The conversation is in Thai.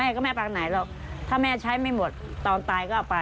ก็น้อยใจอ่ะ